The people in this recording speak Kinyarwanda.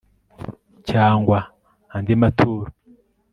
cyangwa andi maturo